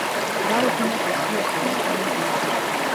دا عفونت د سوي او خارښت لامل ګرځي.